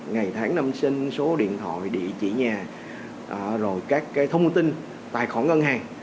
ngày tháng năm sinh số điện thoại địa chỉ nhà rồi các thông tin tài khoản ngân hàng